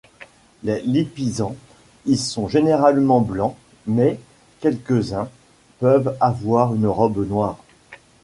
Les lipizzans y sont généralement blancs mais quelques uns peuvent avoir une robe noire.